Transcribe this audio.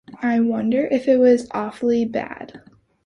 I wonder if it was awfully bad.